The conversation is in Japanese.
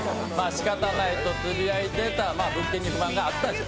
仕方ないとつぶやいてというのは物件に不満があったと。